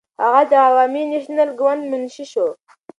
هغه د عوامي نېشنل ګوند منشي شو.